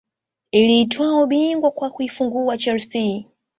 Iliutwaa ubingwa kwa kuifunga chelsea